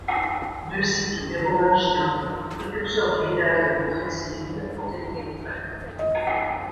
Deux sites mérovingiens précurseurs du village de Contrexéville ont été découverts.